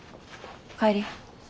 帰り。